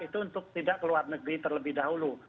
itu untuk tidak keluar negeri terlebih dahulu